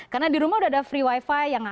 karena di rumah udah ada free wifi yang